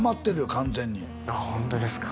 完全にホントですか？